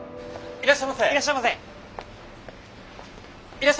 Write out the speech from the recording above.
いらっしゃいませ！